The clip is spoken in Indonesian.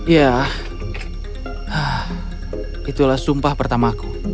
ya itulah sumpah pertamaku